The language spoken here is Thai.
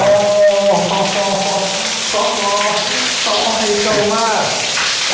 ต้องรอต้องรอให้เจ้ามาก